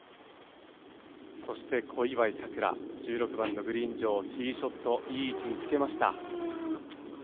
小祝さくら、１６番のグリーン上、ティーショットいい位置につけました。